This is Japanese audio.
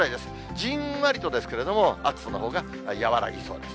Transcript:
じんわりとですけれども、暑さのほうが和らぎそうです。